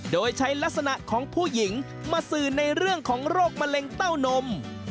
โดยใช้ลักษณะของผู้หญิงมาสื่อในเรื่องของโรคมะเร็งเต้านม